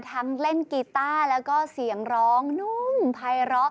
เล่นกีต้าแล้วก็เสียงร้องนุ่มภัยร้อ